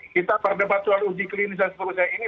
kita berdebat soal uji klinis yang sebagusnya ini